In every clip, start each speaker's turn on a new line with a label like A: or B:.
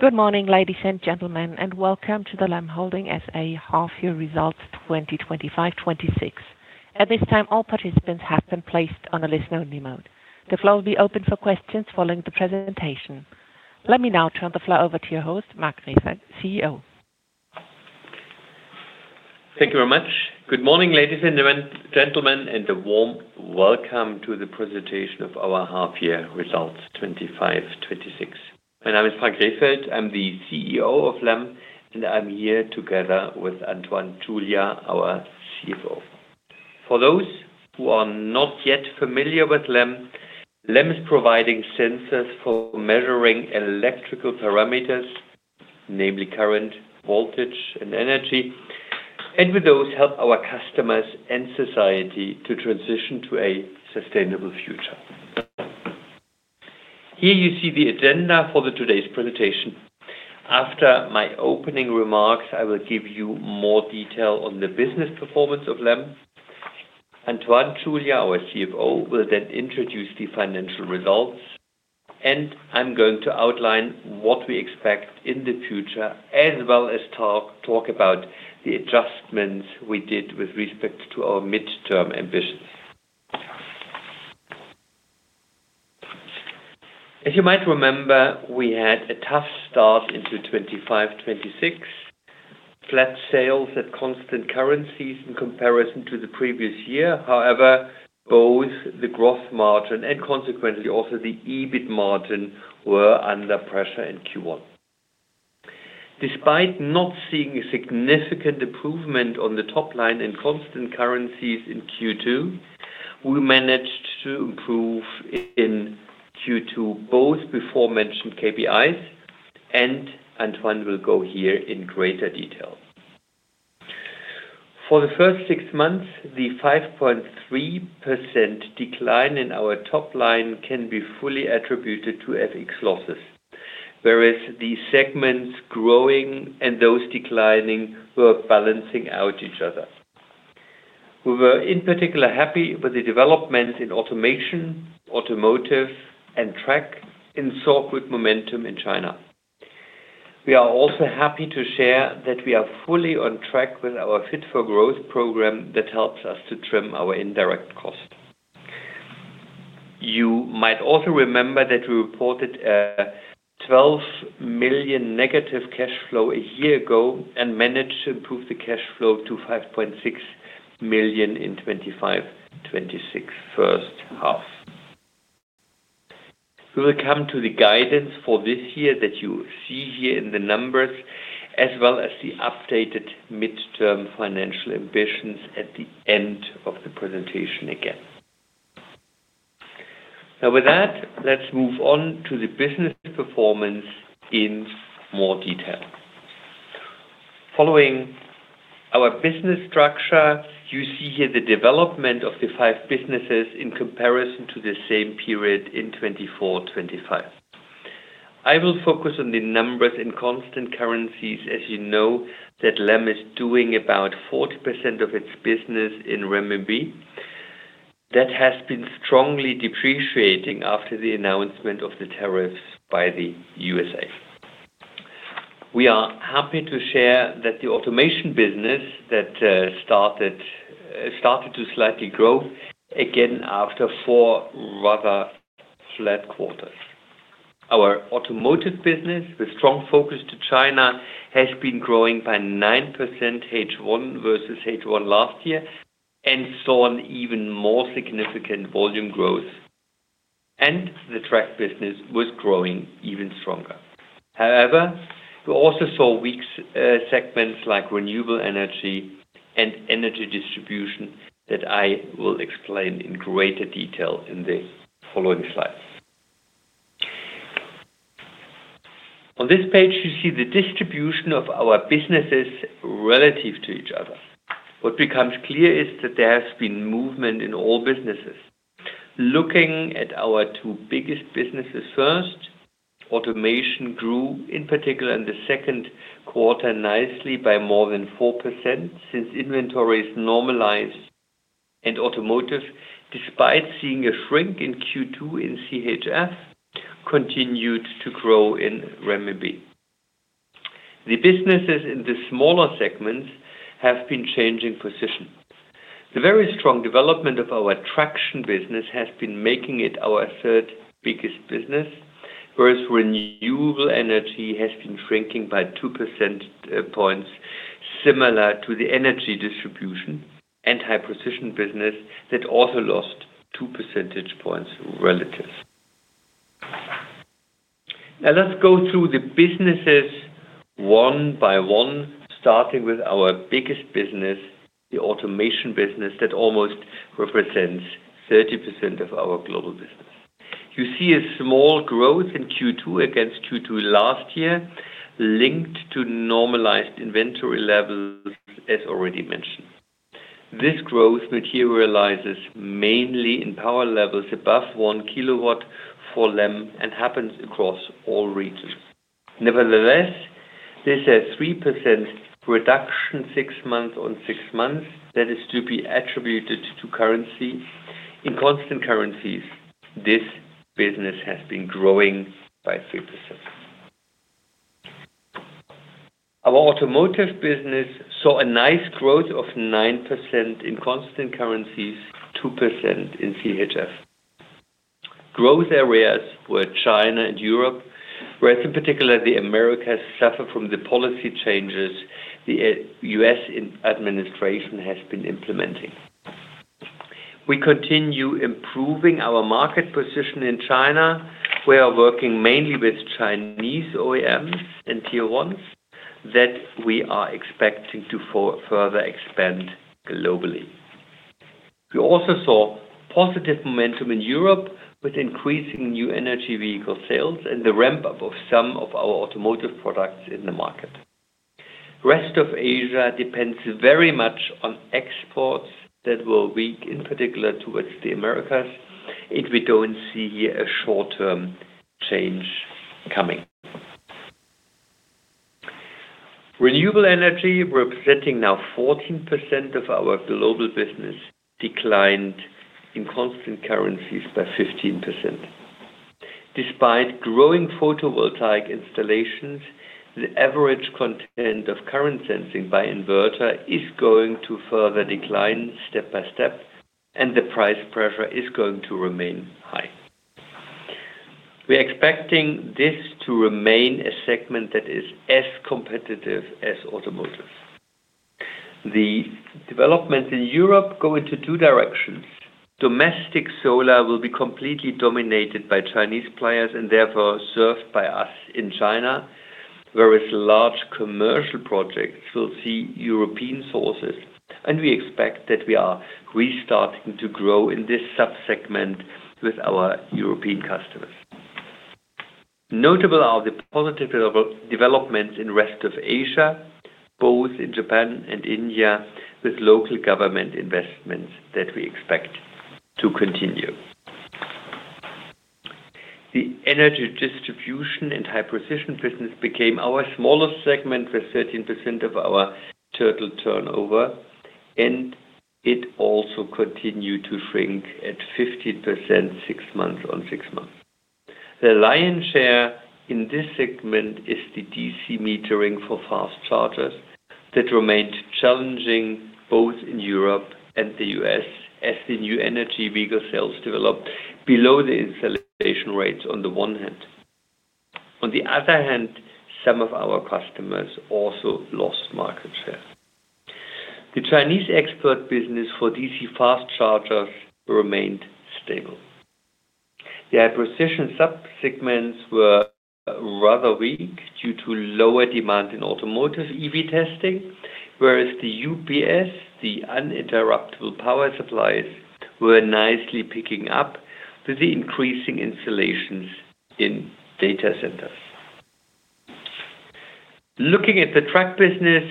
A: Good morning ladies and gentlemen and welcome to the LEM Holding SA half year results. 2025-2026. At this time all participants have been placed on a listen only mode. The floor will be open for questions following the presentation. Let me now turn the floor over to your host, Frank Rehfeld, CEO.
B: Thank you very much. Good morning ladies and gentlemen and a warm welcome to the presentation of our half year results. My name is Frank Rehfeld, I'm the CEO of LEM and I'm here together with Antoine Chulia, our CFO. For those who are not yet familiar with LEM, LEM is providing sensors for measuring electrical parameters, namely current, voltage and energy and with those help our customers and society to transition to a sustainable future. Here you see the agenda for today's presentation. After my opening remarks I will give you more detail on the business performance of LEM. Antoine Chulia, our CFO, will then introduce the financial results and I'm going to outline what we expect in the future as well as talk about the adjustments we did with respect to our mid term ambition. As you might remember, we had a tough start into 2025-2026, flat sales at constant currencies in comparison to the previous year. However, both the gross margin and consequently also the EBIT margin were under pressure in Q1. Despite not seeing significant improvement on the top line in constant currencies in Q2, we managed to improve in Q2 both before mentioned KPIs, and Antoine will go here in greater detail. For the first six months, the 5.3% decline in our top line can be fully attributed to FX losses, whereas the segments growing and those declining were balancing out each other. We were in particular happy with the developments in Automation, Automotive, and Track and saw good momentum in China. We are also happy to share that we are fully on track with our Fit for Growth program. That helps us to trim our indirect cost. You might also remember that we reported 12 million negative cash flow a year ago and managed to improve the cash flow to 5.6 million in 2025-2026 first half. We will come to the guidance for this year that you see here in the numbers as well as the updated mid term financial ambitions at the end of the presentation. Again. Now with that, let's move on to the business performance in more detail following our business structure. You see here the development of the five businesses in comparison to the same period in 2024-2025. I will focus on the numbers in constant currencies. As you know, LEM is doing about 40% of its business in Renminbi that has been strongly depreciating after the announcement of the tariffs by the U.S.A. We are happy to share that the Automation business has started to slightly grow again after four rather flat quarters. Our Automotive business with strong focus to China has been growing by 9% H1 versus H1 last year and saw an even more significant volume growth, and the Traction business was growing even stronger. However, we also saw weak segments like Renewable energy and energy distribution that I will explain in greater detail in the following slides. On this page you see the distribution of our businesses relative to each other. What becomes clear is that there has been movement in all businesses. Looking at our two biggest businesses first, Automation grew in particular in the second quarter nicely by more than 4% since inventories normalized and Automotive, despite seeing a shrink in Q2 in CHF, continued to grow in Renminbi. The businesses in the smaller segments have been changing position. The very strong development of our Traction business has been making it our third biggest business, whereas Renewable energy has been shrinking by 2 percentage points, similar to the energy distribution and precision business that also lost 2 percentage points relative. Now let's go through the businesses one by one, starting with our biggest business, the Automation business that almost represents 30% of our global business. You see a small growth in Q2 against Q2 last year linked to normalized inventory levels. As already mentioned, this growth materializes mainly in power levels above 1 kW for LEM and happens across all regions. Nevertheless, this has 3% reduction six months over six months. That is to be attributed to currency. In constant currencies, this business has been growing by 3%. Our automotive business saw a nice growth of 9% in constant currencies, 2% in CHF. Growth areas were China and Europe, whereas in particular the Americas suffer from the policy changes the U.S. Administration has been implementing. We continue improving our market position in China. We are working mainly with Chinese OEMs and Tier 1 that we are expecting to further expand globally. We also saw positive momentum in Europe with increasing new energy vehicle sales and the ramp up of some of our automotive products in the market. Rest of Asia depends very much on exports that were weak, in particular towards the Americas. If we do not see a short term change coming, Renewable energy representing now 14% of our global business declined in constant currencies by 15% despite growing photovoltaic installations. The average content of current sensing by inverter is going to further decline step by step and the price pressure is going to remain high. We are expecting this to remain a segment that is as competitive as Automotive. The developments in Europe go into two directions. Domestic solar will be completely dominated by Chinese players and therefore served by us in China. Whereas large commercial projects will see European sources. We expect that we are restarting to grow in this subsegment and with our European customers. Notable are the positive developments in rest of Asia both in Japan and India with local government investments that we expect to continue. The energy distribution and high precision business became our smallest segment with 13% of our total turnover. It also continued to shrink at 50% six months on six months. The lion's share in this segment is the DC meter for fast chargers that remained challenging both in Europe and the U.S. as the new energy vehicle sales developed below the installation rates on the one hand. On the other hand, some of our customers also lost market share. The Chinese expert business for DC fast chargers remained stable. The acquisition sub segments were rather weak due to lower demand in automotive EV testing. Whereas the UPS, the uninterruptible power supplies, were nicely picking up with the increasing installations in data centers. Looking at the Track business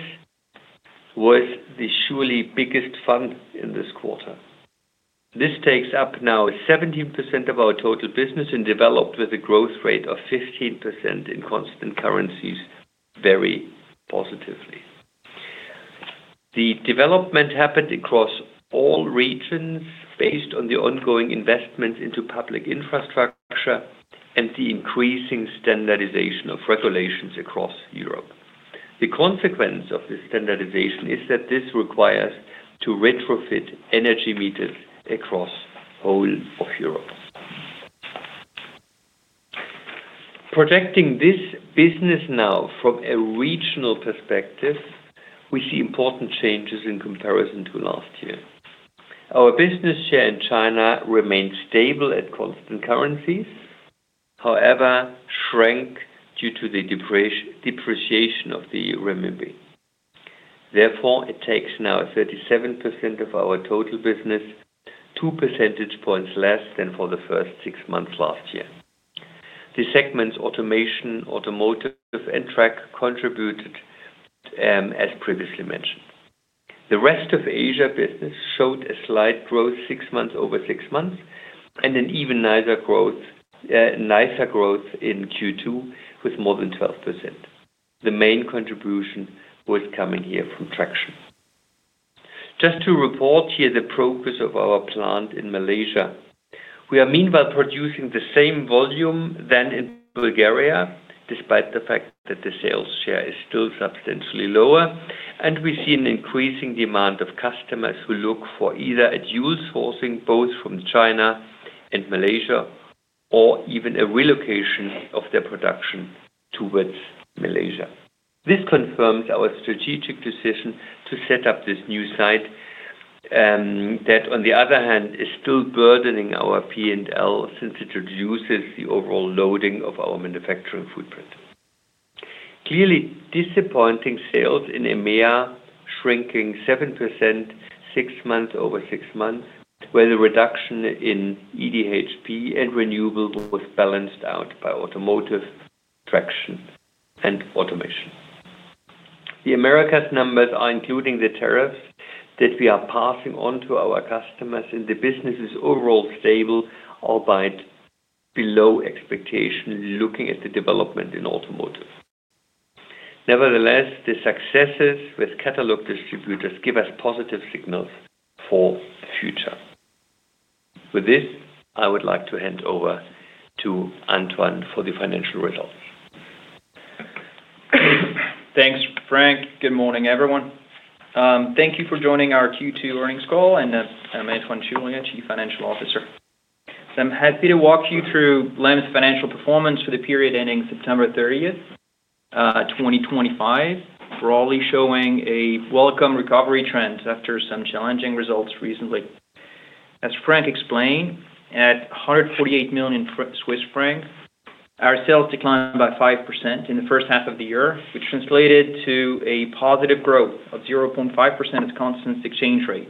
B: was the surely biggest fun in this quarter. This takes up now 17% of our total business and developed with a growth rate of 15% in constant currencies. Very positively. The development happened across all regions based on the ongoing investments into public infrastructure and the increasing standardization of regulations across Europe. The consequence of this standardization is that this requires to retrofit energy meters across all of Europe. Projecting this business now from a regional perspective, we see important changes in comparison to last year. Our business share in China remains stable at constant currencies, however shrank due to the depreciation of the Renminbi. Therefore, it takes now 37% of our total business, 2 percentage points less than for the first six months last year. The segments Automation, Automotive and Track contributed. As previously mentioned, the rest of Asia business showed a slight growth six months over six months and an even nicer growth in Q2 with more than 12%. The main contribution was coming here from traction. Just to report here the progress of our plant in Malaysia. We are meanwhile producing the same volume than in Bulgaria despite the fact that the sales share is still substantially lower. We see an increasing demand of customers who look for either a dual sourcing both from China or Malaysia or even a relocation of their production towards Malaysia. This confirms our strategic decision to set up this new site. That on the other hand is still burdening our P and L since it reduces the overall loading of our manufacturing footprint. Clearly disappointing sales in EMEA shrinking 7% six months over six months where the reduction in EDHP and renewable was balanced out by automotive, traction, and automation. The Americas numbers are including the tariffs that we are passing on to our customers and the business is overall stable, albeit below expectation looking at the development in automotive. Nevertheless, the successes with catalog distributors give us positive signals for the future. With this I would like to hand over to Antoine for the financial results.
C: Thanks, Frank. Good morning, everyone. Thank you for joining our Q2 earnings call, and I'm Antoine Chulia, Chief Financial Officer. I'm happy to walk you through LEM's financial performance for the period ending September 30, 2025, broadly showing a welcome recovery trend after some challenging results recently. As Frank explained, at 148 million Swiss francs, our sales declined by 5% in the first half of the year, which translated to a positive growth of 0.5% at constant exchange rate.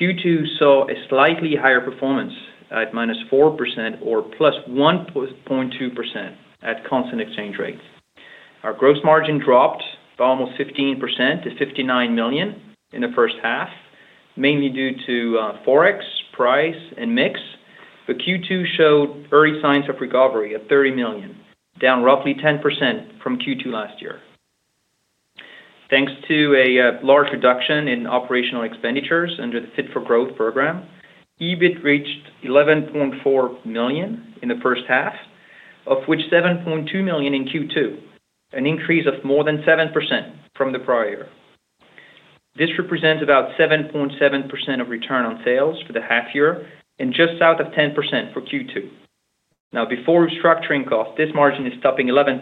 C: Q2 saw a slightly higher performance at -4% or 1.2% at constant exchange rate. Our gross margin dropped by almost 15% to 59 million in the first half, mainly due to forex, price, and mix. Q2 showed early signs of recovery at 30 million, down roughly 10% from Q2 last year thanks to a large reduction in operational expenditures under the Fit for Growth program. EBIT reached 11.4 million in the first half, of which 7.2 million in Q2, an increase of more than 7% from the prior year. This represents about 7.7% of return on sales for the half year and just south of 10% for Q2. Now before restructuring costs, this margin is topping 11%.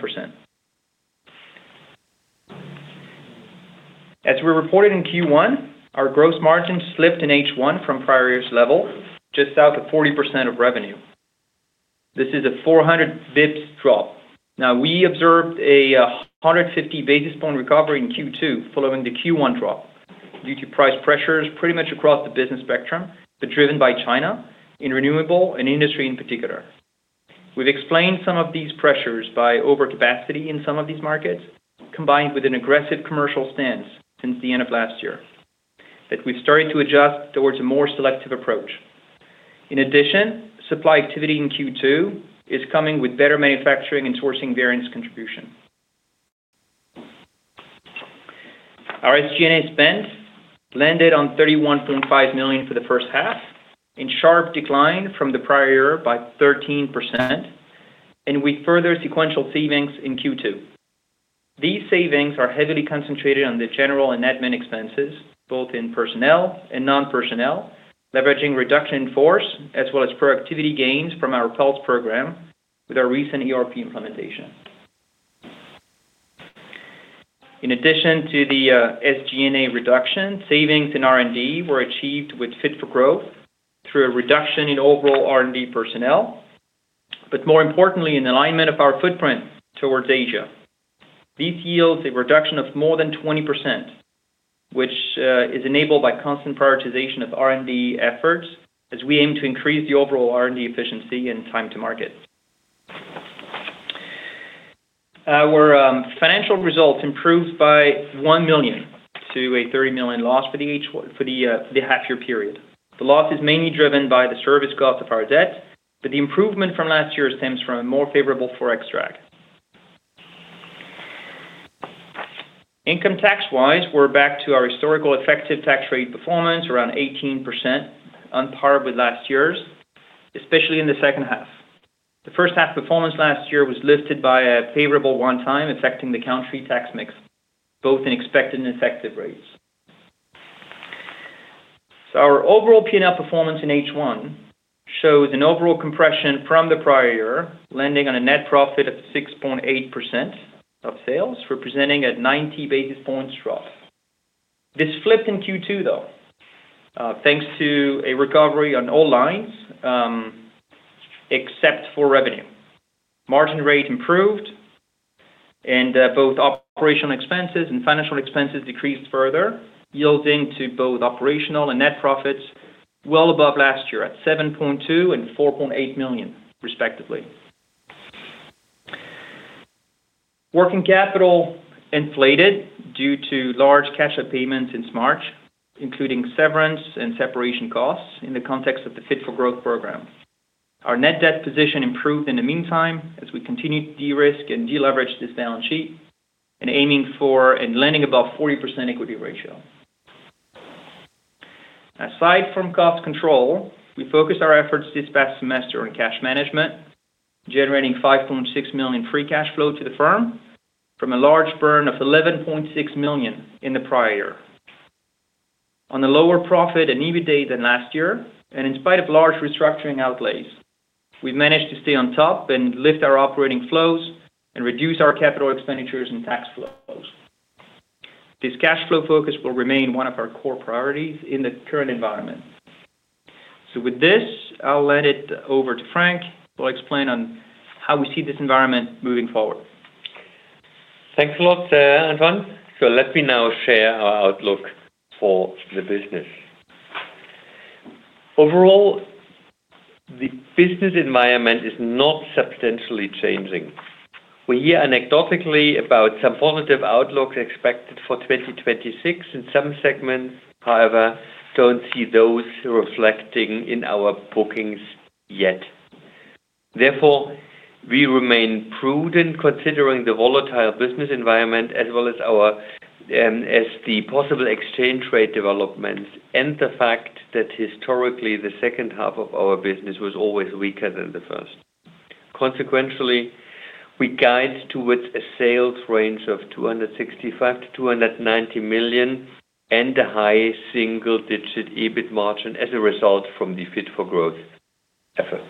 C: As we reported in Q1, our gross margin slipped in H1 from prior year's level just south of 40% of revenue. This is a 400 basis points drop. Now we observed a 150 basis point recovery in Q2 following the Q1 drop due to price pressures pretty much across the business spectrum, but driven by China in renewable and industry in particular. We have explained some of these pressures by overcapacity in some of these markets combined with an aggressive commercial stance since the end of last year, but we have started to adjust towards a more selective approach. In addition, supply activity in Q2 is coming with better manufacturing and sourcing variance contribution. Our SG&A spend landed on 31.5 million for the first half in sharp decline from the prior year by 13% and with further sequential savings in Q2. These savings are heavily concentrated on the general and admin expenses both in personnel and non personnel leveraging reduction in force as well as productivity gains from our Pulse program with our recent ERP implementation. In addition to the SG&A reduction, savings in R&D were achieved with Fit for Growth through a reduction in overall R&D personnel, but more importantly in alignment of our footprint towards Asia. This yields a reduction of more than 20% which is enabled by constant prioritization of R&D efforts as we aim to increase the overall R&D efficiency and time to market. Our financial results improved by 1 million to a 30 million loss for the half year period. The loss is mainly driven by the service cost of our debt, but the improvement from last year stems from a more favorable forex drag. Income tax wise, we're back to our historical effective tax rate performance around 18% on par with last year's, especially in the second half. The first half performance last year was lifted by a favorable one time affecting the country tax mix both in expected and effective rates. Our overall P&L performance in H1 shows an overall compression from the prior year lending on a net profit of 6.8% of sales representing a 90 basis points drop. This flipped in Q2 though thanks to a recovery on all lines except for revenue. Margin rate improved and both operational expenses and financial expenses decreased further, yielding to both operational and net profits well above last year at 7.2 million and 4.8 million respectively. Working capital inflated due to large cash out payments since March including severance and separation costs. In the context of the Fit for Growth program, our net debt position improved in the meantime as we continue to de-risk and deleverage this balance sheet and aiming for and landing above 40% equity ratio. Aside from cost control, we focused our efforts this past semester on cash management generating 5.6 million free cash flow to the firm from a large burn of 11.6 million in the prior year on a lower profit and EBITDA than last year and in spite of large restructuring outlays, we've managed to stay on top and lift our operating flows and reduce our capital expenditures and tax flows. This cash flow focus will remain one of our core priorities in the current environment. With this I'll hand it over to Frank who will explain how we see this environment moving forward.
B: Thanks a lot, Antoine. Let me now share our outlook for the business. Overall, the business environment is not substantially changing. We hear anecdotally about some positive outlook expected for 2026 in some segments, however, do not see those reflecting in our bookings yet. Therefore, we remain prudent considering the volatile business environment as well as the possible exchange rate developments and the fact that historically the second half of our business was always weaker than the first. Consequently, we guide towards a sales range of 265 million-290 million and the high single digit EBIT margin. As a result from the Fit for Growth effort,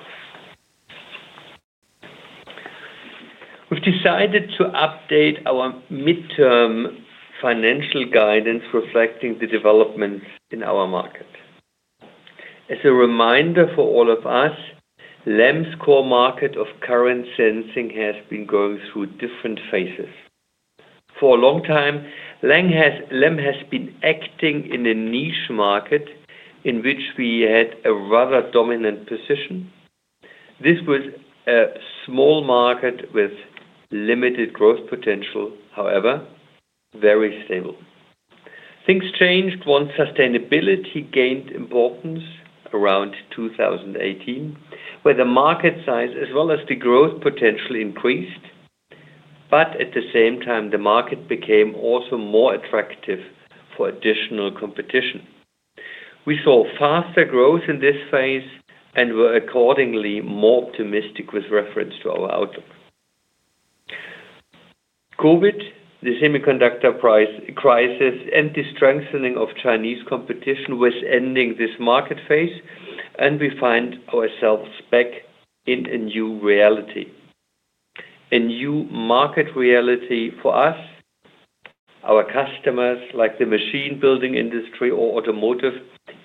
B: we have decided to update our mid term financial guidance reflecting the developments in our market. As a reminder for all of us, LEM's core market of current sensing has been going through different phases for a long time. LEM has been acting in a niche market in which we had a rather dominant position. This was a small market with limited growth potential, however very stable. Things changed once sustainability gained importance around 2018 where the market size as well as the growth potential increased. At the same time the market became also more attractive for additional competition. We saw faster growth in this phase and were accordingly more optimistic. With reference to our outlook, Covid, the semiconductor crisis, and the strengthening of Chinese competition was ending this market phase and we find ourselves back in a new reality. A new market reality for us, our customers like the machine building industry or automotive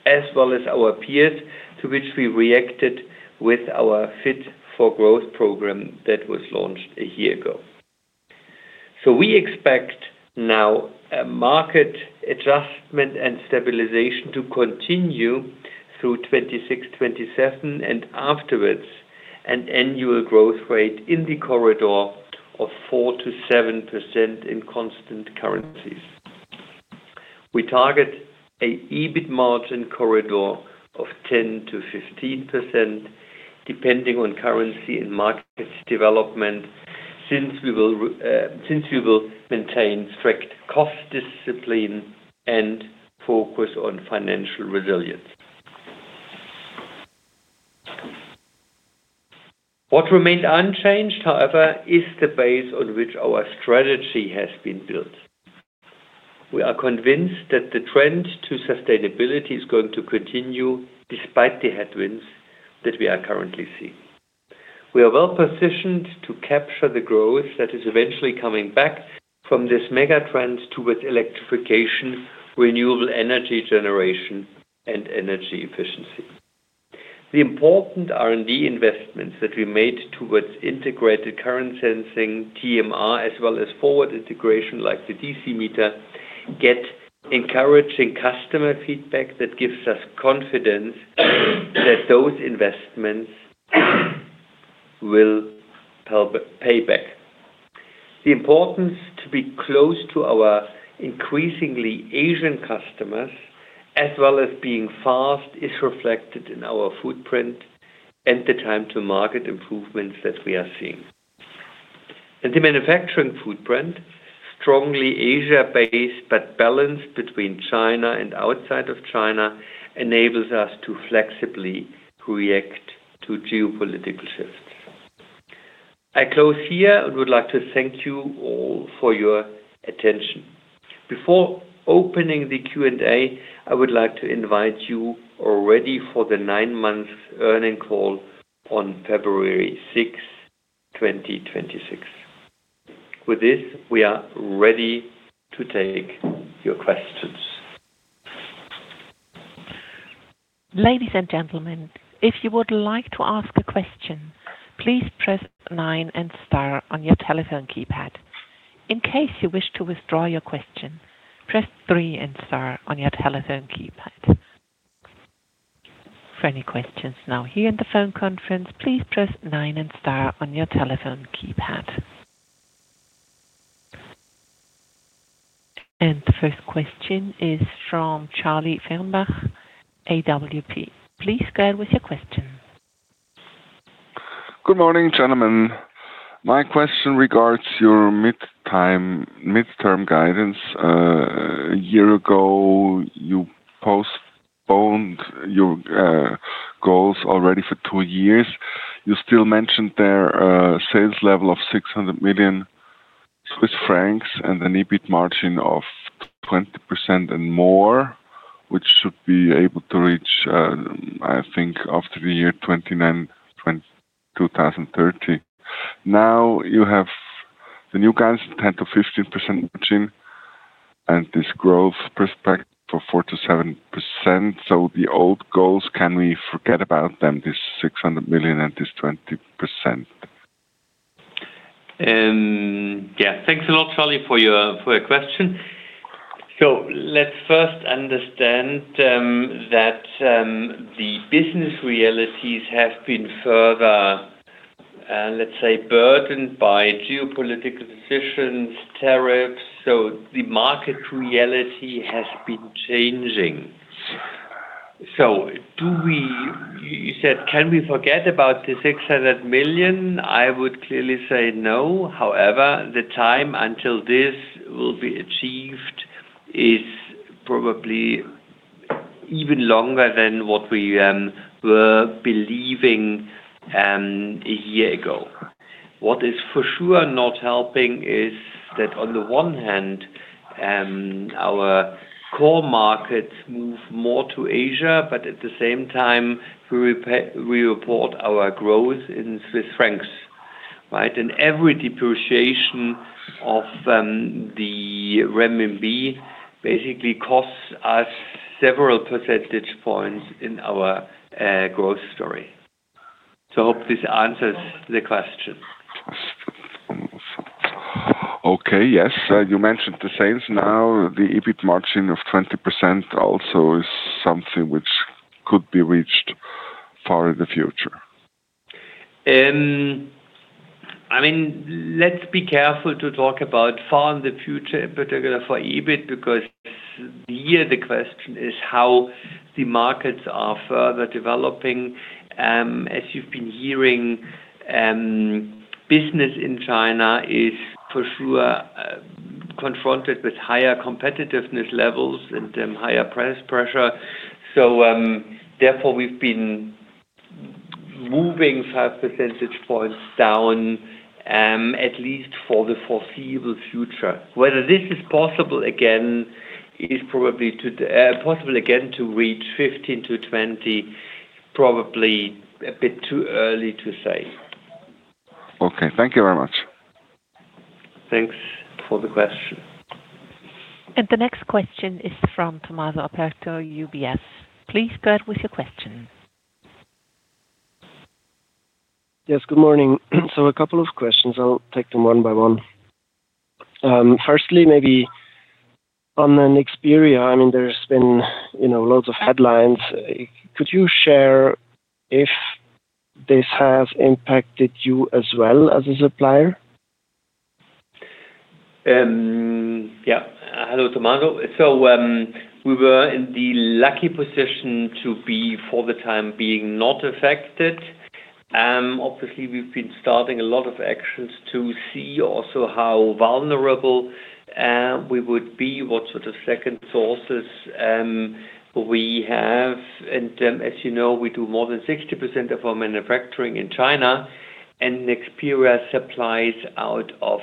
B: as well as our peers to which we reacted with our Fit for Growth program that was launched a year ago. We expect now a market adjustment and stabilization to continue through 2026, 2027 and afterwards an annual growth rate in the corridor of 4%-7% in constant currencies. We target an EBIT margin corridor of 10%-15% depending on currency and market development. Since we will maintain strict cost discipline and focus on financial resilience. What remained unchanged, however, is the base on which our strategy has been built. We are convinced that the trend to sustainability is going to continue. Despite the headwinds that we are currently seeing, we are well positioned to capture the growth that is eventually coming back from this. Megatrends towards electrification, renewable energy generation and energy efficiency. The important R&D investments that we made towards integrated current sensing, TMR as well as forward integration like the DC meter get encouraging customer feedback that gives us confidence that those investments will help payback. The importance to be close to our increasingly Asian customers as well as being fast is reflected in our footprint and the time to market improvements that we are seeing. The manufacturing footprint, strongly Asia based but balanced between China and outside of China, enables us to flexibly react to geopolitical shifts. I close here and would like to thank you all for your attention. Before opening the Q&A, I would like to invite you already for the nine months earning call on February 6, 2026. With this we are ready to take your questions.
A: Ladies and gentlemen, if you would like to ask a question, please press 9 and star on your telephone keypad. In case you wish to withdraw your question, press 3 and star on your telephone keypad. For any questions now here in the phone conference, please press 9 and star on your telephone keypad. The first question is from Charlie Fernbach, awp. Please go ahead with your question.
D: Good morning gentlemen. My question regards your midterm guidance. A year ago you postponed your goals already for two years. You still mentioned their sales level of 600 million Swiss francs and an EBIT margin of 20% and more which should be able to reach I think after the year 2029, 2030. Now you have the new guidance, 10%-15% margin and this growth perspective for 4%-7%. So the old goals, can we forget about them? This 600 million and this 20.
B: Yeah. Thanks a lot, Charlie, for your question. Let's first understand that the business realities have been further, let's say, burdened by geopolitical decisions, tariffs. The market reality has been changing. Do we, you said, can we forget about the 600 million? I would clearly say no. However, the time until this will be achieved is probably even longer than what we were believing a year ago. What is for sure not helping is that on the one hand our core markets move more to Asia, but at the same time we report our growth in CHF. Right. Every depreciation of the Renminbi basically costs us several percentage points in our growth story. Hope this answers the question.
E: Okay, yes, you mentioned the sales. Now the EBIT margin of 20% also is something which could be reached far in the future.
B: I mean, let's be careful to talk about far in the future, particularly for EBIT because here the question is how the markets are further developing. As you've been hearing, business in China is for sure confronted with higher competitiveness levels and higher price pressure. Therefore, we've been moving 5 percentage points down at least for the foreseeable future. Whether this is possible again is probably possible again to reach 15%-20%, probably a bit too early to say.
E: Okay, thank you very much.
B: Thanks for the question.
A: The next question is from Tommaso Operto, UBS. Please start with your question.
F: Yes, good morning. A couple of questions. I'll take them one by one. Firstly, maybe on the Nexperia, I mean there's been, you know, loads of headlines. Could you share if this has impacted you as well as a supplier?
B: Yeah. Hello, Tommaso. We were in the lucky position to be for the time being not affected, obviously we've been starting a lot of actions to see also how vulnerable we would be, what sort of second sources we have. As you know, we do more than 60% of our manufacturing in China and Nexperia supplies out of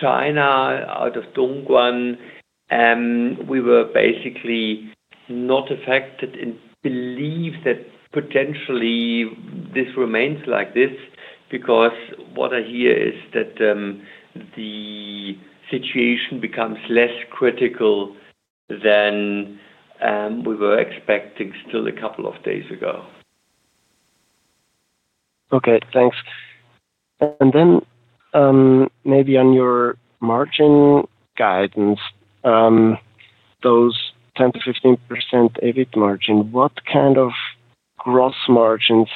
B: China, out of Dongguan. We were basically not affected and believe that potentially this remains like this because what I hear is that the situation becomes less critical than we were expecting still a couple of days ago.
F: Okay, thanks. Maybe on your margin guidance, those 10-15% EBIT margin, what kind of gross margins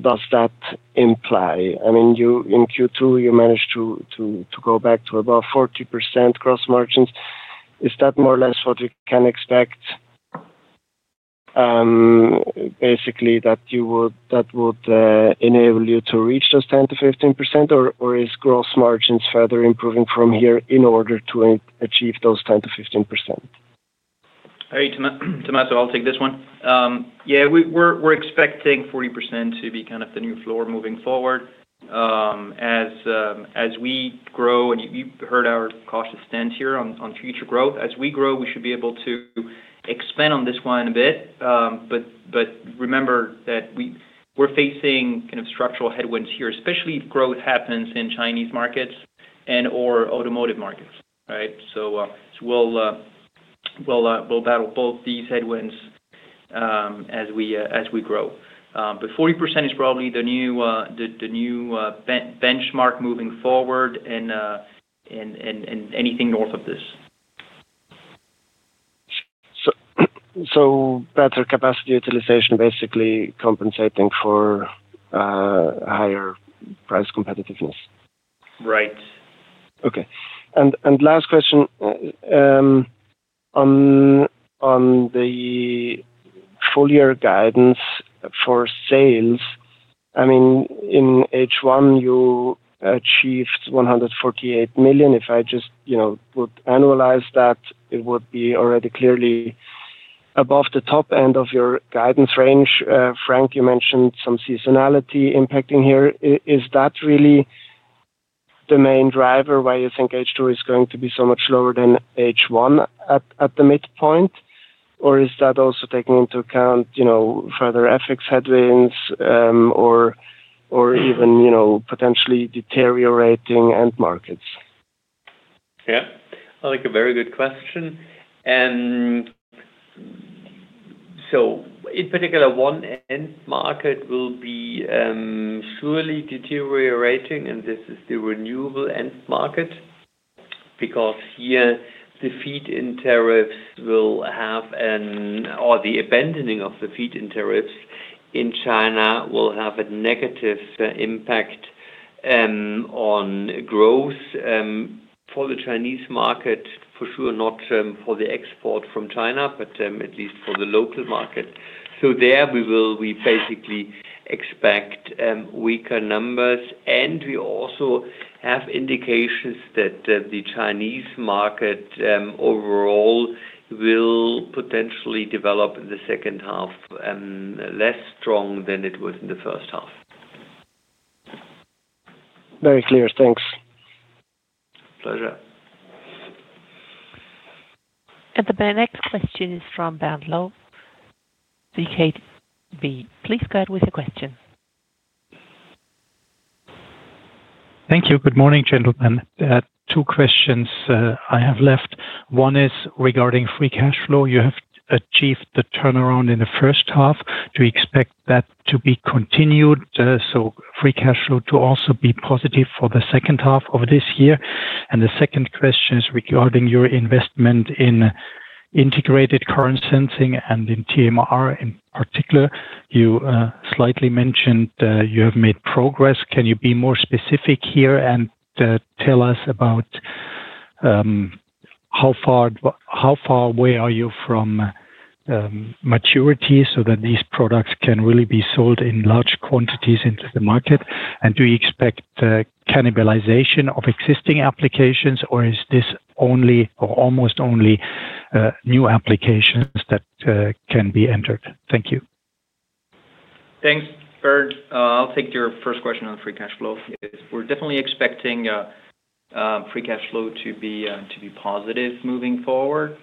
F: does that imply? I mean, in Q2 you managed to go back to about 40% gross margins. Is that more or less what you can expect? Basically that you would. That would enable you to reach those 10-15% or is gross margins further improving from here in order to achieve those 10-15%?
C: Tommaso, I'll take this one. Yeah, we're expecting 40% to be kind of the new floor moving forward as we grow. You heard our cautious stance here on future growth. As we grow, we should be able to expand on this one a bit. Remember that we're facing kind of structural headwinds here, especially if growth happens in Chinese markets and or automotive markets. Right. We'll battle both these headwinds as we grow. 40% is probably the new benchmark moving forward, and anything north of this.
F: Better capacity utilization, basically compensating for higher price competitiveness.
C: Right.
F: Okay. Last question. On the full year guidance for sales, I mean in H1 you achieved 148 million. If I just, you know, would annualize that, it would be already clearly above the top end of your guidance range. Frank, you mentioned some seasonality impacting here. Is that really the main driver? Why you think H2 is going to be so much lower than H1 at the midpoint? Or is that also taking into account, you know, further FX headwinds or, or even, you know, potentially deteriorating end markets?
B: Yeah, I think a very good question. In particular, one end market will be surely deteriorating and this is the renewable end market because here the feed-in tariffs will have an, or the abandoning of the feed-in tariffs in China will have a negative impact on growth for the Chinese market for sure, not for the export from China, but at least for the local market. There we basically expect weaker numbers. We also have indications that the Chinese market overall will potentially develop in the second half less strong than it was in the first half.
F: Very clear. Thanks.
B: Pleasure.
A: The next question is from Berg Low, CKB. Please go ahead with your question.
G: Thank you. Good morning gentlemen. Two questions I have left. One is regarding free cash flow. You have achieved the turnaround in the first half. Do you expect that to be continued? Free cash flow to also be positive for the second half of this year. The second question is regarding your investment in integrated current sensing and in TMR in particular. You slightly mentioned you have made progress. Can you be more specific here and tell us about how far away are you from maturity so that these products can really be sold in large quantities into the market and do you expect cannibalization of existing applications or is this only or almost only new applications that can be entered? Thank you.
C: Thanks, Berg. I'll take your first question on free cash flow. We're definitely expecting free cash flow to be positive moving forward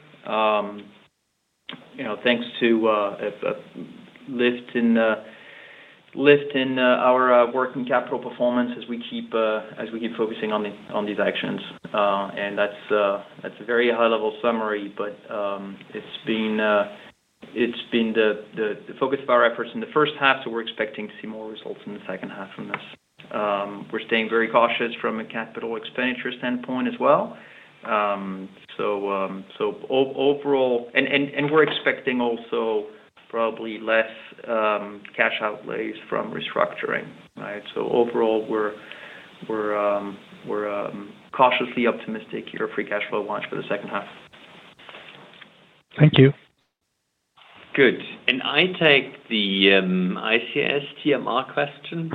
C: thanks to a lift in our working capital performance as we keep focusing on these actions, and that's a very high level summary. It's been the focus of our efforts in the first half, so we're expecting to see more results in the second half from this. We're staying very cautious from a capital expenditure standpoint as well. Overall, we're expecting also probably less cash outlays from restructuring. So overall. We're cautiously optimistic here. Free cash flow launch for the second half.
H: Thank you.
B: Good. I take the ICS TMR question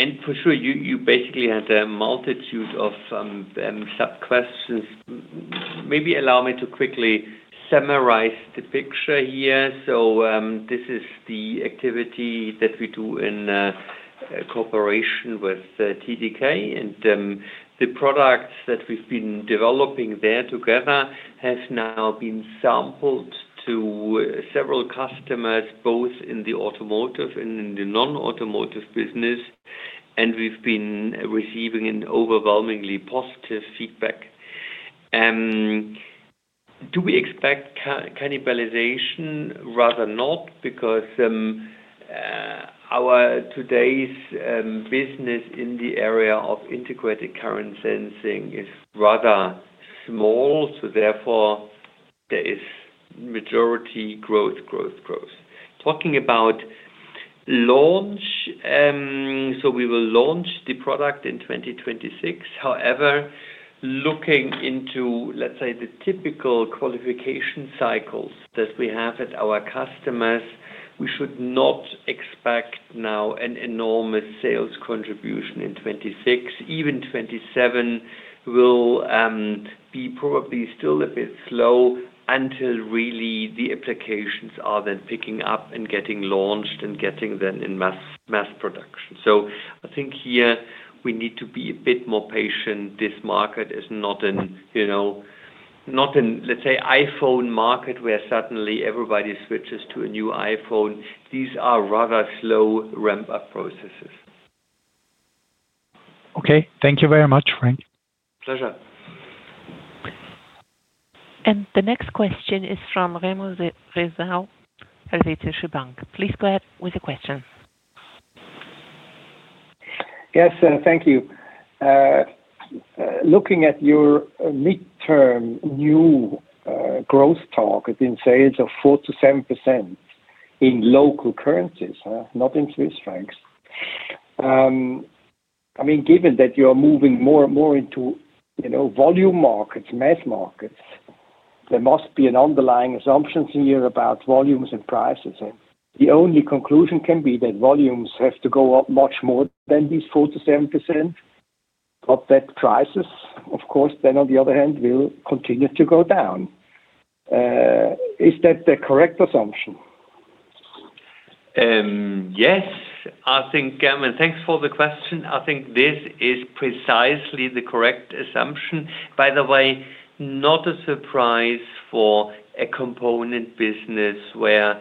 B: and for sure you basically had a multitude of sub questions. Maybe allow me to quickly summarize the picture here. This is the activity that we do in cooperation with TDK and the products that we've been developing there together has now been summed up to several customers both in the automotive and in the non automotive business. We've been receiving an overwhelmingly positive feedback. Do we expect cannibalization? Rather not. Because our today's business in the area of integrated current sensing is rather small. Therefore there is majority growth, growth, growth. Talking about launch, we will launch the product in 2026. However, looking into, let's say, the typical qualification cycles that we have at our customers, we should not expect now an enormous sales contribution in 2026, even 2027 will be probably still a bit slow until really the applications are then picking up and getting launched and getting then in mass, mass production. I think here we need to be a bit more patient. This market is not in, you know, not in, let's say, iPhone market where suddenly everybody switches to a new iPhone. These are rather slow ramp up processes.
H: Okay, thank you very much, Frank.
D: Pleasure.
A: The next question is from Remus Rezaou, elvischebank. Please go ahead with your question.
I: Yes, thank you. Looking at your midterm new growth target in sales of 4%-7% in local currencies, not in Swiss francs. I mean, given that you are moving more and more into, you know, volume markets, mass markets, there must be an underlying assumption here about volumes and prices. The only conclusion can be that volumes have to go up much more than these 4%-7% OPEC prices. Of course, then on the other hand will continue to go down. Is that the correct assumption?
B: Yes, I think. Thanks for the question. I think this is precisely the correct assumption. By the way, not a surprise for a component business where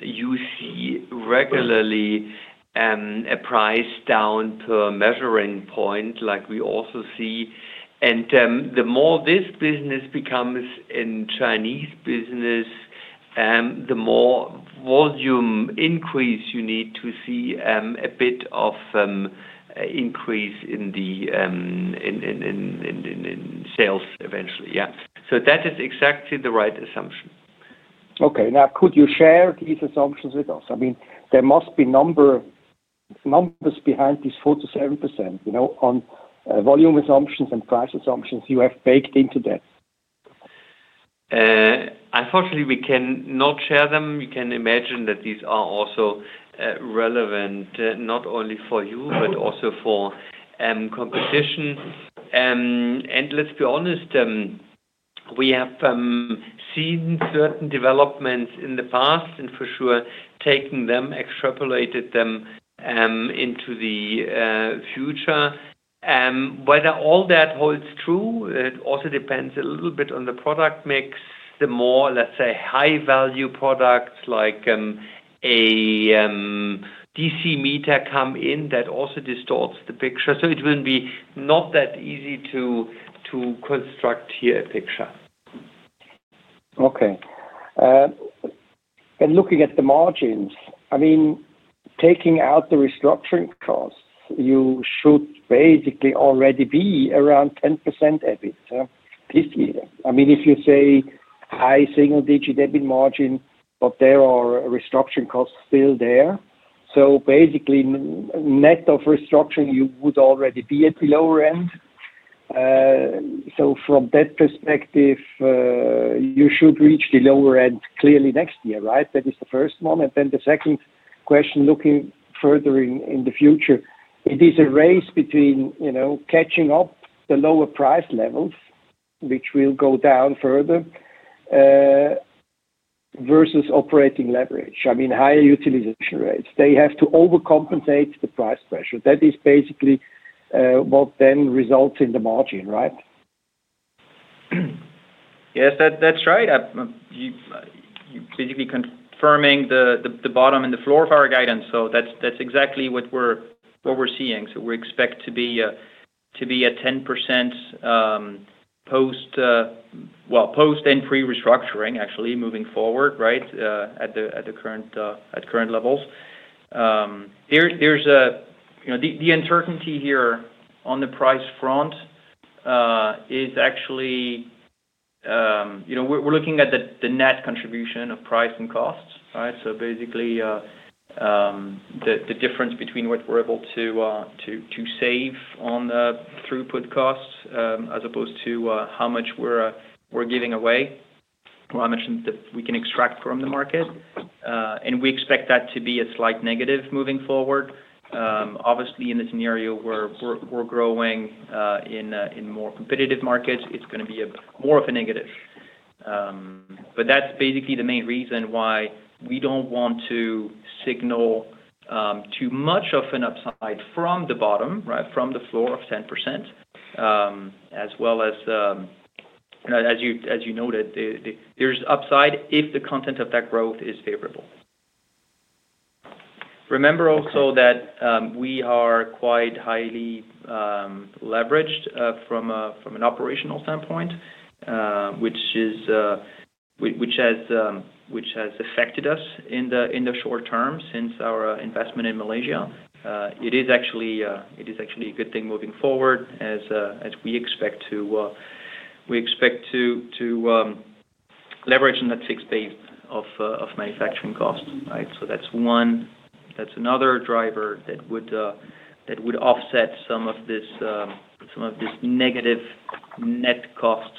B: you see regularly a price down to a measuring point like we also see. The more this business becomes in Chinese business, the more volume increase. You need to see a bit of increase in the sales eventually. Yeah, so that is exactly the right assumption.
I: Okay, now could you share these assumptions with us? I mean there must be numbers behind these 4%-7%. You know, on volume assumptions and price assumptions you have baked into that.
B: Unfortunately we can not share them. You can imagine that these are also relevant not only for you, but also for competition. Let's be honest, we have seen certain developments in the past and for sure taking them, extrapolated them into the future, whether all that holds true, it also depends a little bit on the product mix. The more, let's say, high value products like a DC meter come in, that also distorts the picture. It will be not that easy to construct here a picture.
I: Okay. Looking at the margins, I mean taking out the restructuring costs, you should basically already be around 10% EBIT this year. I mean if you say high single digit EBIT margin, but there are restructuring costs still there. Basically net of restructuring you would already be at the lower end. From that perspective you should reach the lower end clearly next year, right? That is the first one. The second question, looking further in the future, it is a race between, you know, catching up the lower price levels which will go down further versus operating leverage. I mean higher utilization rates, they have to overcompensate the price pressure. That is basically what then results in the margin, right?
C: Yes, that's right. You basically confirming the bottom and the floor of our guidance. That is exactly what we are seeing. We expect to be at 10% post, well post and pre restructuring actually moving forward right at current levels. There's, you know, the uncertainty here on the price front is actually, you know, we're looking at the net contribution of price and costs. Right. So basically. The difference between what we're able to save on throughput costs as opposed to how much we're giving away. I mentioned that we can extract from the market and we expect that to be a slight negative moving forward. Obviously in the scenario where we're growing in more competitive markets, it's going to be more of a negative. That is basically the main reason why we do not want to signal too much of an upside from the bottom right from the floor of 10% as well as, as you noted, there's upside if the content of that growth is favorable. Remember also that we are quite highly leveraged from an operational standpoint, which has affected us in the short term since our investment in Malaysia. It is actually a good thing moving forward as we expect to leverage on that fixed base of manufacturing costs. That's one, that's another driver that would offset some of this negative net cost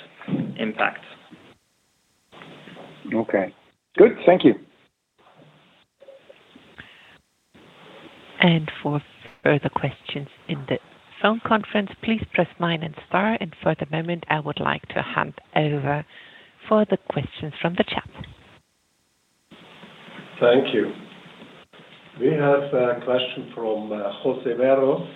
C: impact.
I: Okay, good. Thank you.
A: For further questions in the phone conference, please press nine and star. For the moment I would like to hand out over for the questions from the chat.
J: Thank you. We have a question from José Veros.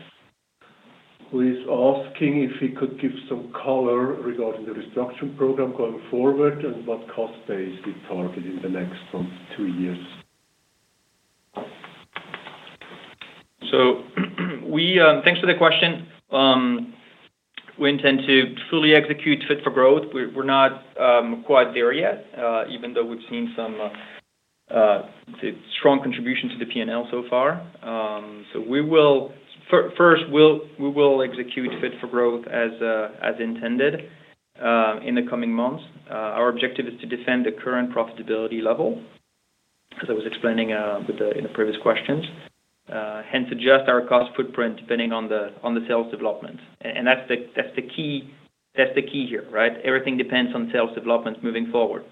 J: Who is asking if he could give some color regarding the restructuring program going forward and what cost base we target in the next two years?
C: Thanks for the question. We intend to fully execute Fit for Growth. We're not quite there yet, even though we've seen some strong contributions to the P and L so far. We will execute Fit for Growth as intended in the coming months. Our objective is to defend the current profitability level as I was explaining in the previous questions. Hence, adjust our cost footprint depending on the sales development. That's the key here, right? Everything depends on sales development moving forward.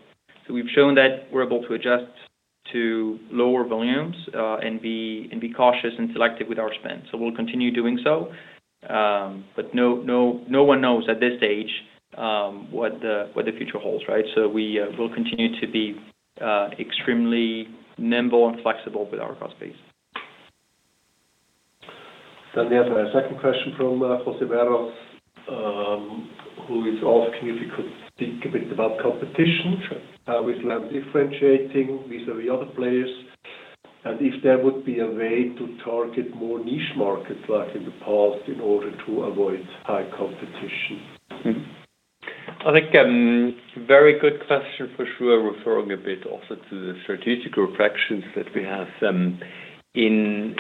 C: We've shown that we're able to adjust to lower volumes and be cautious and selective with our spend. We'll continue doing so. No one knows at this stage what the future holds. Right. We will continue to be extremely nimble and flexible with our cost base.
J: Daniel, my second question from José Veros who is asking if you could speak a bit about competition with differentiating Visa with other players and if there would be a way to target more niche markets like in the past in order to avoid high competition. I think very good question for sure. Referring a bit also to the strategic reflections that we have in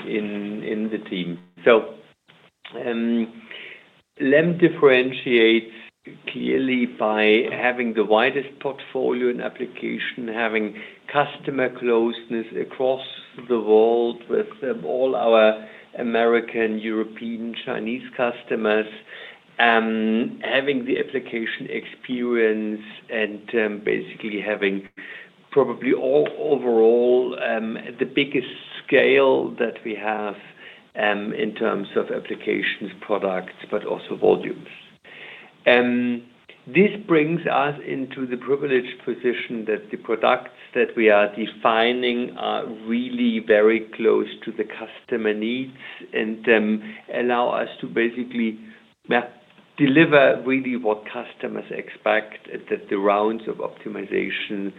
J: the team.
C: So LEM differentiates clearly by having the widest portfolio in application, having customer closeness across the world with all our American, European, Chinese customers having the application experience and basically having probably overall the biggest scale that we have in terms of applications, products, but also volumes. This brings us into the privileged position that the products that we are defining really very close to the customer needs and allow us to basically deliver really what customers expect, that the rounds of optimization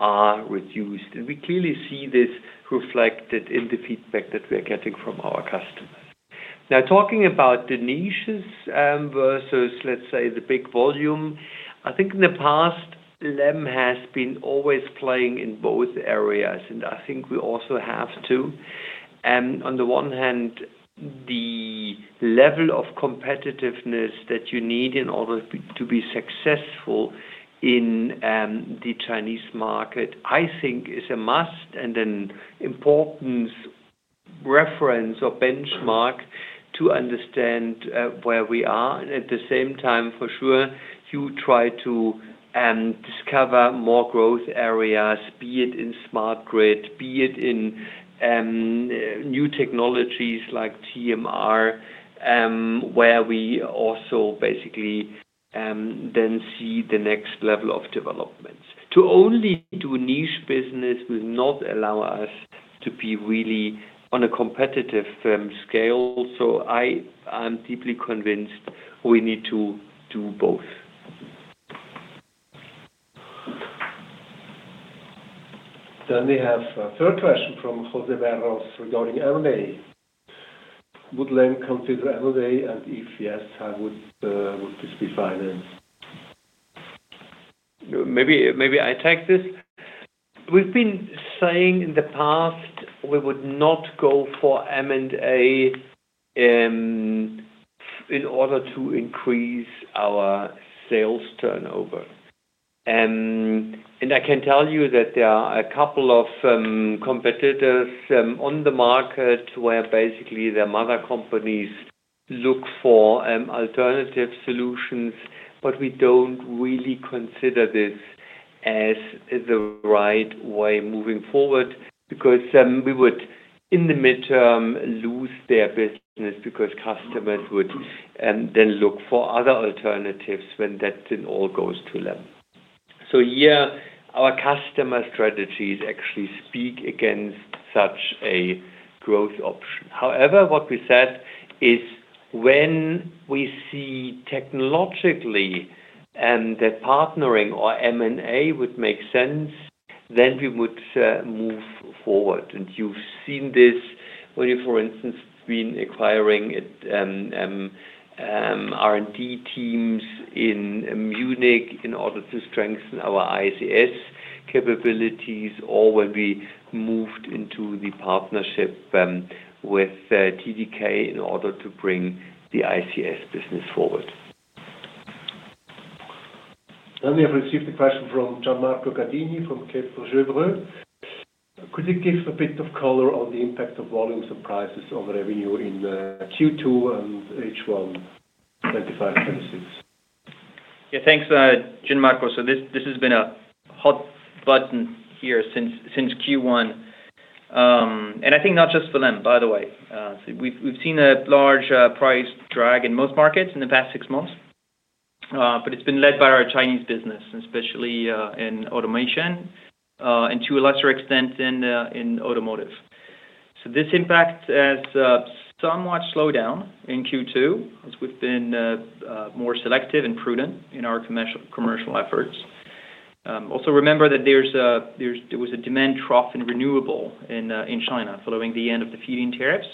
C: are reduced. We clearly see this reflected in the feedback that we are getting from our customers. Now, talking about the niches versus, let's say, the big volume, I think in the past LEM has been always playing in both areas. I think we also have to, on the one hand, the level of competitiveness that you need in order to be successful in the Chinese market I think is a must and an important reference or benchmark to understand where we are. At the same time, for sure, you try to discover more growth areas, be it in smart grid, be it in new technologies like TMR where we also basically then see the next level of developments. To only do niche business will not allow us to be really on a competitive scale. I am deeply convinced we need to do both.
J: We have a third question from José Veros, regarding M&A, would LEM consider M&A, and if yes, how would this be financed?
B: Maybe I take this. We've been saying in the past we would not go for M&A in order to increase our sales turnover. I can tell you that there are a couple of competitors on the market where basically the mother companies look for alternative solutions. We do not really consider this as the right way moving forward because we would in the midterm lose their business because customers would then look for other alternatives when that all goes to them. Here, our customer strategies actually speak against such a growth option. However, what we said is when we see technologically the partnering or M&A would make sense, then we would move forward. You have seen this when you, for instance, have been acquiring R&D teams in Munich in order to strengthen our ICS capabilities, or when we moved into the partnership with TDK in order to bring the ICS business forward.
J: We have received a question from Gianmarco Cadini from Cape Vau. Could you give a bit of color on the impact of volumes and prices on revenue in Q2 and H1?
C: Yeah, thanks Gianmarco. This has been a hot button here since Q1 and I think not just for them. By the way, we've seen a large price target drag in most markets in the past six months. It has been led by our Chinese business, especially in Automation and to a lesser extent in Automotive. This impact has somewhat slowed down in Q2 as we've been more selective and prudent in our commercial efforts. Also remember that there was a demand trough in Renewable in China. Following the end of the feed-in tariffs,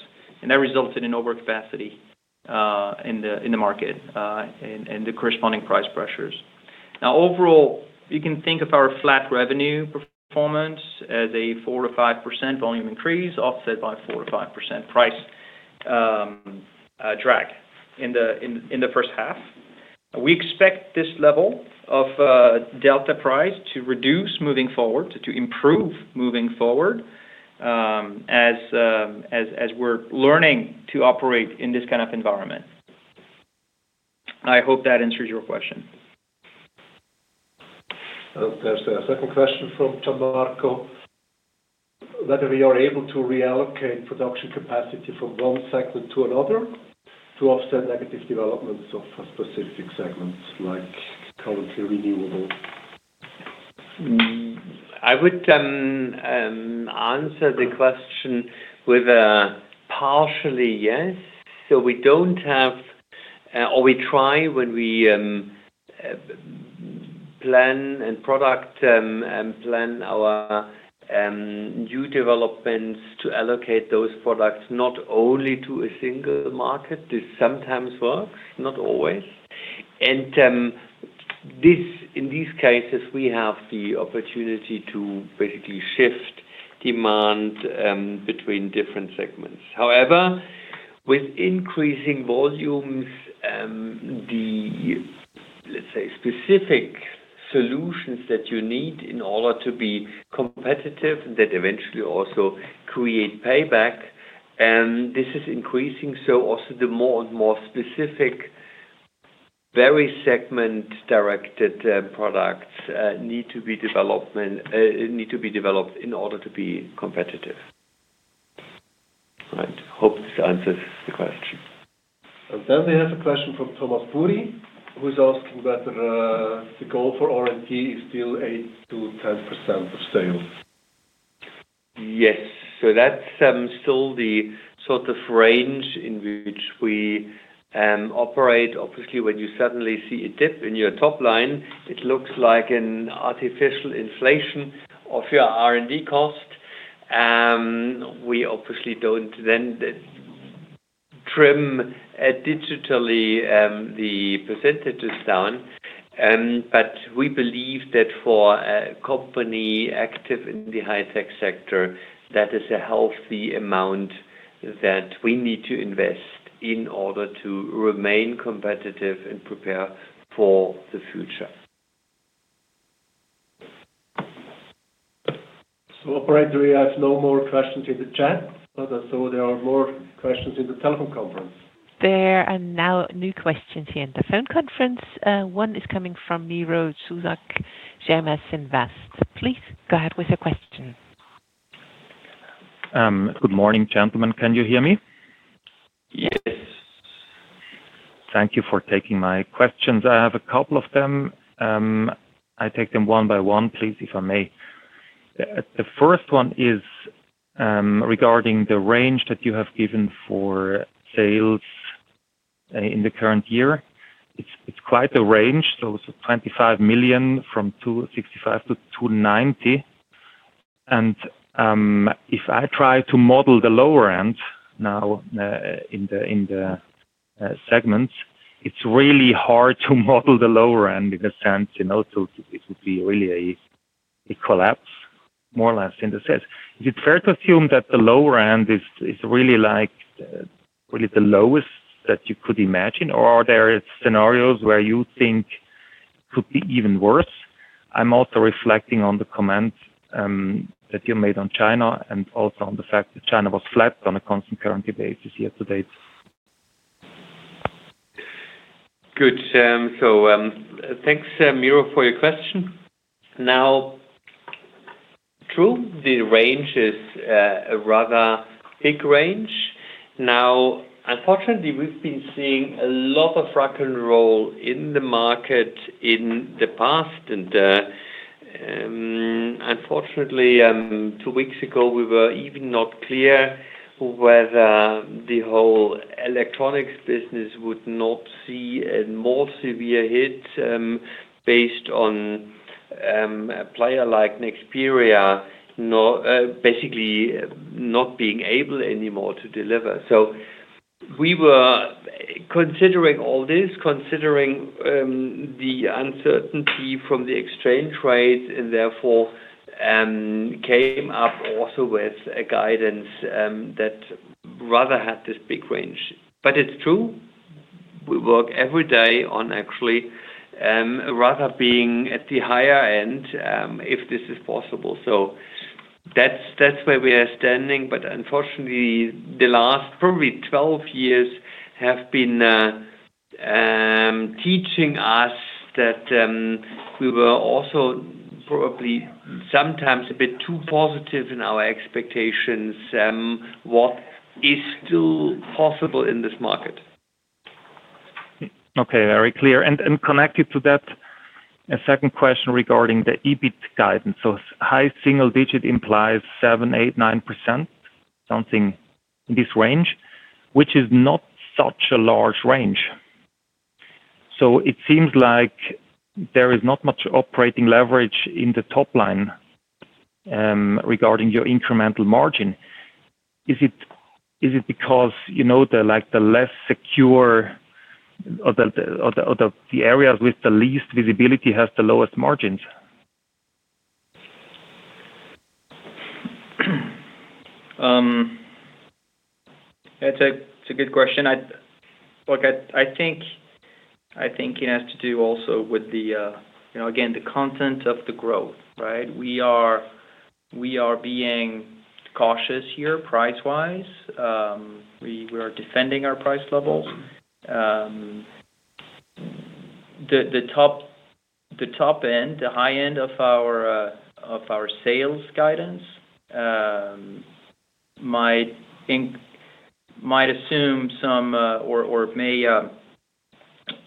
C: that resulted in overcapacity in the market and the corresponding price pressures. Overall, you can think of our flat revenue performance as a 4-5% volume increase offset by a 4-5% price drag in the first half. We expect this level of delta price to reduce moving forward, to improve moving forward as we're learning to operate in this kind of environment. I hope that answers your question.
J: There's a second question from Gianmarco. Whether we are able to reallocate production capacity from one segment to another to offset negative developments of specific segments like coalition renewable.
B: I would answer the question with a partially yes. We do not have or we try when we plan and product and plan our new developments to allocate those products not only to a single market. This sometimes works, not always. In these cases we have the opportunity to basically shift demand between different segments. However, with increasing volumes, the let's say specific solutions that you need in order to be competitive that eventually also create payback and this is increasing. Also, the more and more specific very segment directed products need to be developed in order to be competitive. Hope this answers the question.
J: We have a question from Thomas Huber who's asking whether the goal for R&D is still 8%-10% of sales.
B: Yes. So that's still the sort of range in which we operate. Obviously when you suddenly see a dip in your top line, it looks like an artificial inflation of your R&D cost. We obviously don't then trim digitally the percentages down. We believe that for a company active in the high tech sector, that is a healthy amount that we need to invest in order to remain competitive and prepare for the future.
J: Operator, we have no more questions in the chat. There are more questions in the telephone conference.
A: There are now new questions here in the phone conference. One is coming from Miro Zuzak, JMS Invest. Please go ahead with a question.
K: Good morning gentlemen. Can you hear me?
B: Yes.
K: Thank you for taking my questions. I have a couple of them. I take them one by one, please. If I may. The first one is regarding the range that you have given for sales in the current year. It's quite a range. So 25 million from 265-290 million. And if I try to model the lower end now in the segments, it's really hard to model the lower end. In a sense it would be really a collapse more or less in the sense is it fair to assume that the lower end is really like really the lowest that you could imagine or are there scenarios where you think could be even worse?
L: I'm also reflecting on the comments that you made on China and also on the fact that China was flat on a constant currency basis year to date.
B: Good. Thanks, Miro, for your question. True, the range is a rather big range now. Unfortunately, we've been seeing a lot of rock and roll in the market in the past, and unfortunately, two weeks ago we were even not clear whether the whole electronics business would not see a more severe hit based on a player like Nexperia basically not being able anymore to deliver. We were considering all this, considering the uncertainty from the exchange rate, and therefore came up also with a guidance that rather had this big range. It's true we work every day on actually rather being at the higher end, if this is possible. That's where we are standing. Unfortunately the last probably 12 years have been teaching us that we were also probably sometimes a bit too positive in our expectations what is still possible in this market.
L: Okay, very clear and connected to that. A second question regarding the EBIT guidance. High single digit implies 7, 8, 9% something in this range, which is not such a large range. It seems like there is not much operating leverage in the top line. Regarding your incremental margin, is it because you know, like, the less secure, the areas with the least visibility have the lowest margins.
C: That's a good question. Look, I think it has to do also with, again, the content of the growth. Right. We are being cautious here. Price wise, we are defending our price levels. The top end, the high end of our sales guidance might assume some or may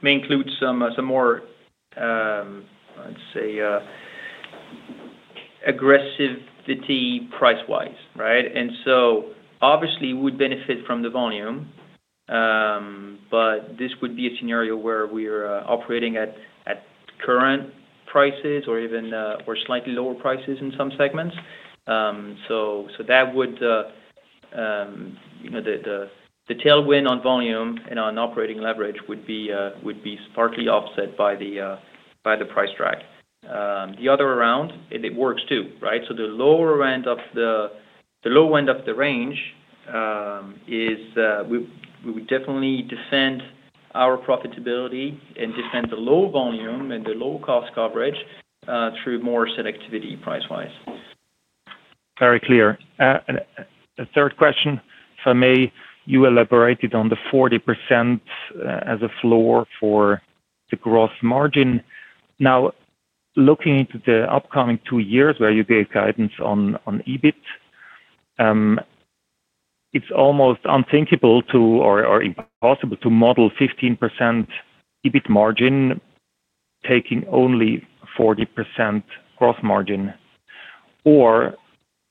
C: include some more, let's say, aggressivity price wise. Right. Obviously, we'd benefit from the volume, but this would be a scenario where we're operating at current prices or even or slightly lower prices in some segments. That would, the tailwind on volume and on operating leverage would be partly offset by the price drag. The other round it works too. Right. The low end of the range is we would definitely defend our profitability and defend the low volume and the low cost control coverage through more selectivity price wise.
K: Very clear. A third question, if I may. You elaborated on the 40% as a floor for the gross margin. Now, looking into the upcoming two years where you gave guidance on EBIT. It's almost unthinkable or impossible to model 15% EBIT margin taking only 40% gross margin. Or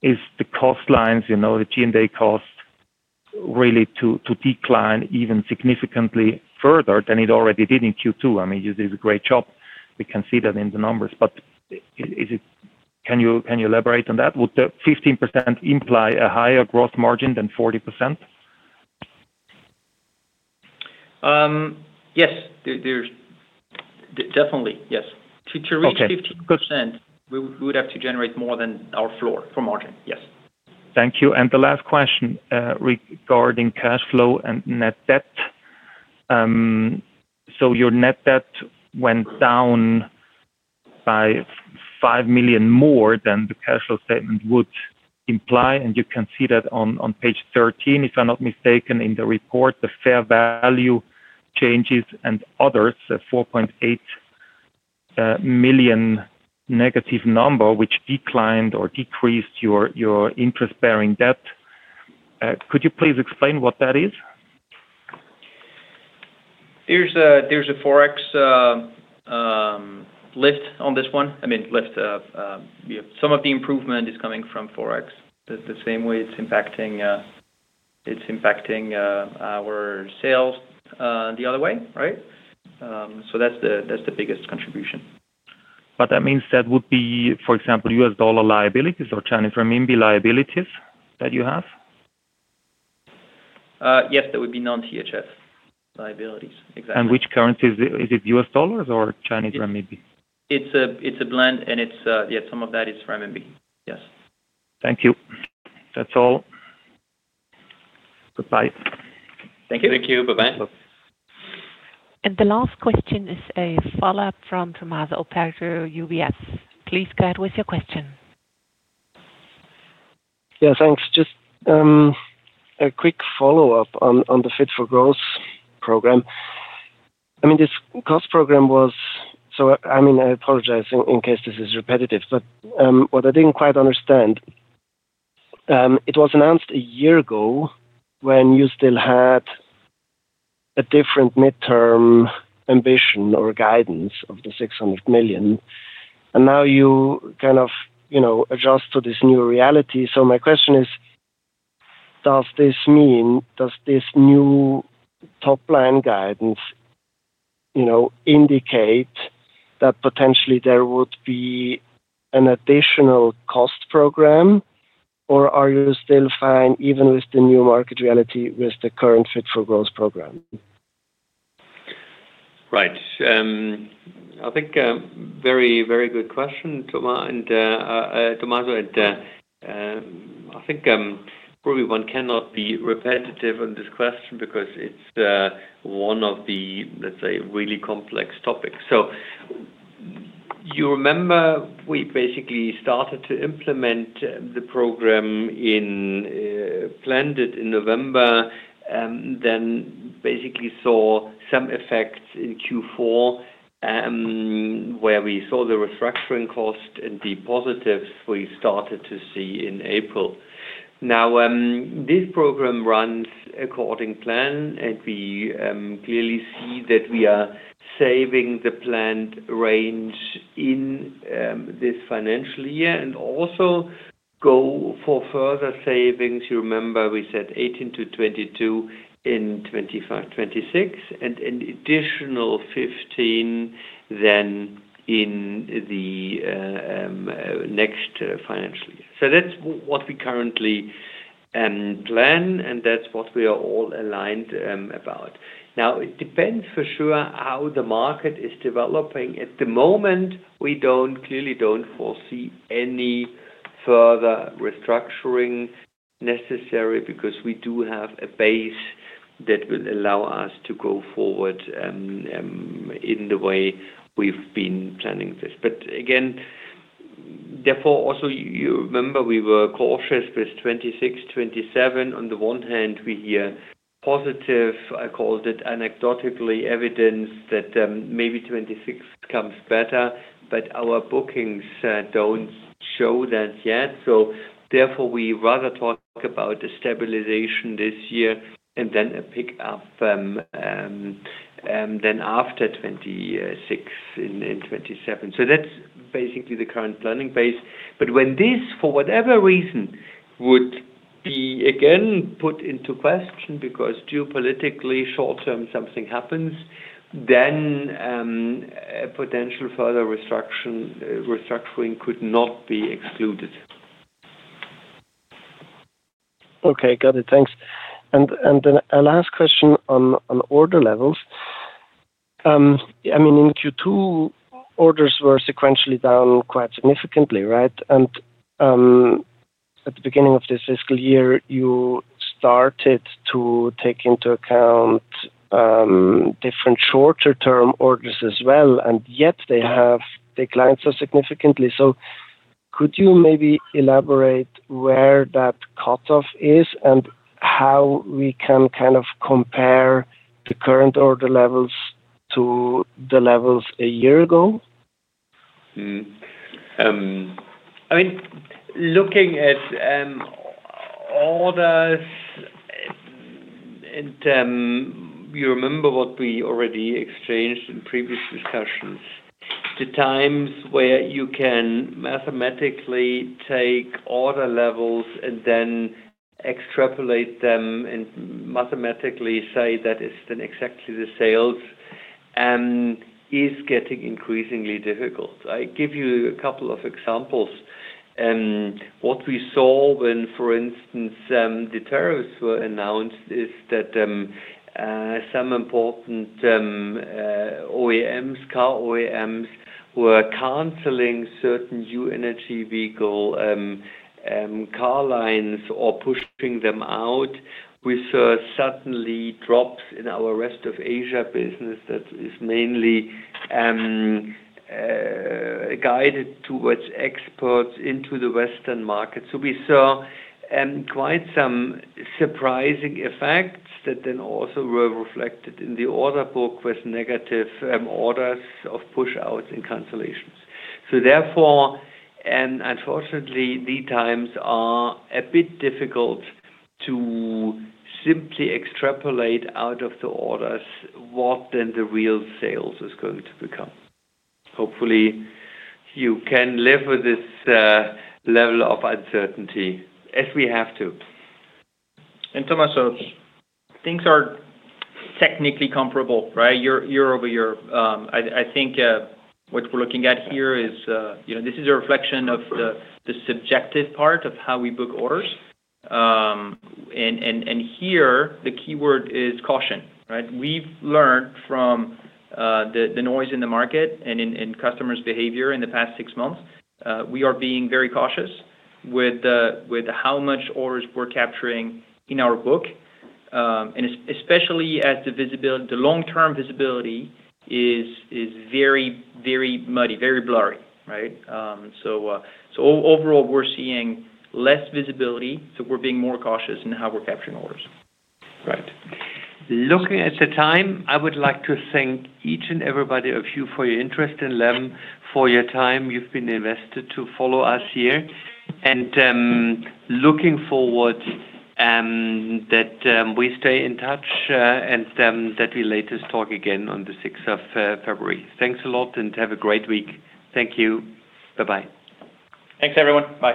K: is the cost lines, you know, the G and A cost really to decline even significantly further than it already did in Q2? I mean, you did a great job. We can see that in the numbers. Is it, can you, can you elaborate on that? Would 15% imply a higher gross margin than 40%?
C: Yes, there's definitely yes. To reach 15%, we would have to generate more than our floor for margin. Yes.
K: Thank you. The last question regarding cash flow and net debt. Your net debt went down by 5 million more than the cash flow statement would imply. You can see that on page 13, if I'm not mistaken in the report, the fair value changes and others, 4.8 million negative number, which declined or decreased your interest bearing debt. Could you please explain what that is?
C: There's a forex lift on this one. I mean, lift. Some of the improvement is coming from Forex the same way it's impacting our sales the other way. Right. So that's the biggest contribution.
K: That means that would be for example, US dollar liabilities or Chinese Renminbi liabilities that you have.
C: Yes, there would be non-CHF liabilities. Exactly.
L: Which currency is it? US Dollars or Chinese Renminbi?
C: It's a blend. And some of that is from RMB.
K: Yes, thank you. That's all. Goodbye.
C: Thank you.
B: Thank you.
C: Bye bye.
A: The last question is a follow-up from Tomasso Operto, UBS. Please go ahead with your question.
F: Yeah, thanks. Just a quick follow up on the Fit for Growth program. I mean, this cost program was, so I mean, I apologize in case this is repetitive, but what I didn't quite understand, it was announced a year ago when you still had a different midterm ambition or guidance of the 600 million. And now you kind of, you know, adjust to this new reality. My question is, does this mean, does this new top line guidance, you know, indicate that potentially there would be an additional cost program? Or are you still fine even with the new market reality with the current Fit for Growth program?
B: Right. I think very, very good question, Tomaso. I think probably one cannot be repetitive on this question because it's one of the, let's say, really complex topics. You remember we basically started to implement the program, planned it in November, then basically saw some effects in Q4 where we saw the restructuring cost and the positives we started to see in April. Now this program runs according to plan and we clearly see that we are saving the planned range in this financial year and also go for further savings. You remember we said 18-22 in 2025-2026 and an additional 15 in the next financial year. That's what we currently plan and that's what we are all aligned about. It depends for sure how the market is developing at the moment. We clearly do not foresee any further restructuring necessary because we do have a base that will allow us to go forward in the way we have been planning this. Again, therefore also you remember we were cautious with 2026, 2027. On the one hand we hear positive, I called it anecdotal evidence that maybe 2026 comes better, but our bookings do not show that yet. Therefore we rather talk about the stabilization this year and then a pick up after 2026 in 2027, basically the current planning base. When this for whatever reason would be again put into question because geopolitically short term something happens, then a potential further restructuring could not be excluded.
F: Okay, got it, thanks. Then a last question on order levels. I mean in Q2 orders were sequentially down quite significantly. Right. At the beginning of this fiscal year you started to take into account different shorter term orders as well. Yet they have declined so significantly. Could you maybe elaborate where that cutoff is and how we can kind of compare the current order levels to the levels a year ago?
C: I mean, looking at orders, and you remember what we already exchanged in previous discussions, the times where you can mathematically take order levels and then extrapolate them and mathematically say that it's exactly the sales is getting increasingly difficult. I give you a couple of examples. What we saw when, for instance, the tariffs were announced is that some important OEMs, car OEMs, were canceling some certain new energy vehicle car lines or pushing them out. We saw suddenly drops in our rest of Asia business that is mainly guided towards exports into the western market. We saw quite some surprising effects that then also were reflected in the order book question, negative orders of push outs and cancellations. Therefore, unfortunately, the times are a bit difficult to simply extrapolate out of the orders what then the real sales is going to become. Hopefully you can live with this level of uncertainty as we have to. Tommaso's things are technically comparable, right? Year over year. I think what we're looking at here is, you know, this is a reflection of the subjective part of how we book orders. And here the keyword is caution. Right. We've learned from the noise in the market and in customers' behavior in the past six months. We are being very cautious with how much orders we're capturing in our book. Especially as the visibility, the long term visibility, is very, very muddy, very blurry. Right. Overall, we're seeing less visibility, so we're being more cautious in how we're capturing orders. Right. Looking at the time, I would like to thank each and everybody of you for your interest in LEM, for your time you've been invested to follow up us here and looking forward that we stay in touch and that we latest talk again on the 6th of February. Thanks a lot and have a great week. Thank you. Bye bye.
B: Thanks everyone. Bye.